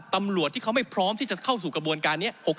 ตำรวจที่เขาไม่พร้อมที่จะเข้าสู่กระบวนการนี้